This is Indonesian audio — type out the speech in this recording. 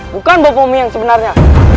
bukan bopomu yang sebenarnya